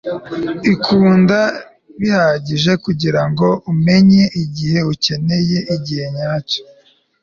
ikunde bihagije kugirango umenye igihe ukeneye igihe nyacyo